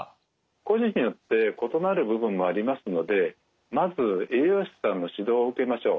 個人によって異なる部分もありますのでまず栄養士さんの指導を受けましょう。